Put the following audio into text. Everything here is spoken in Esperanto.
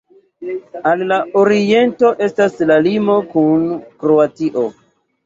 Al la oriento estas la limo kun Kroatio.